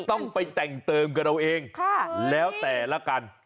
ต้องไปแต่งเติมกันเอาเองแล้วแต่ละกัน